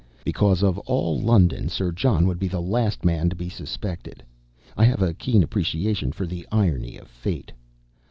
Because, of all London, Sir John would be the last man to be suspected. I have a keen appreciation for the irony of fate!